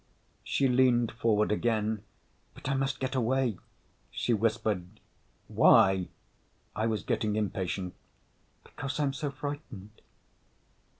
She leaned forward again. "But I must get away," she whispered. "Why?" I was getting impatient. "Because I'm so frightened."